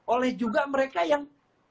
oleh juga mereka yang